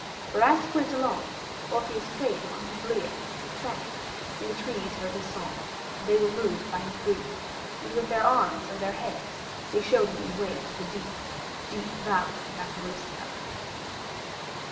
For as he went along Orpheus played upon his lyre and sang, and the trees heard his song and they were moved by his grief, and with their arms and their heads they showed him the way to the deep, deep valley of Acherusia.